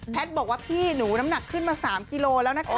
บอกว่าพี่หนูน้ำหนักขึ้นมา๓กิโลแล้วนะคะ